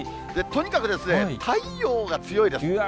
とにかく、太陽が強いです。